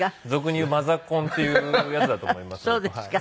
俗に言うマザコンっていうやつだと思います僕。